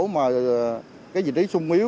mà vị trí sung miếu